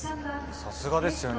さすがですよね。